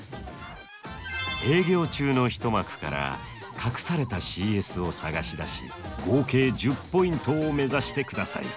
営業中の一幕から隠されたＣＳを探し出し合計１０ポイントを目指してください。